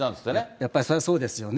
やっぱりそれはそうですよね。